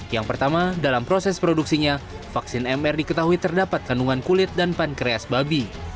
yang pertama dalam proses produksinya vaksin mr diketahui terdapat kandungan kulit dan pankreas babi